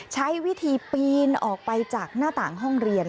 ใช้วิธีปีนออกไปจากหน้าต่างห้องเรียน